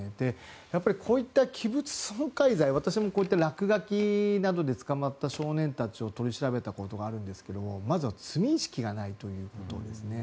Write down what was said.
やっぱりこういった器物損壊罪私も落書きなどで捕まった少年たちを取り調べたことがあるんですがまずは罪意識がないということですね。